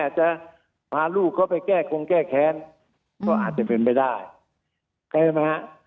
จะพาลูกเขาไปแก้คงแก้แค้นก็อาจจะเป็นไปได้ใช่ไหมฮะ